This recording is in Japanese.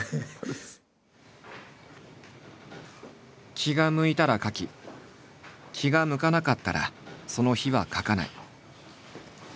気が向いたら描き気が向かなかったらその日は描かない。